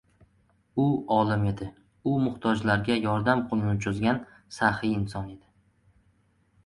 U olim edi. U muhtojlarga yordam qo‘lini cho‘zgan saxiy inson edi.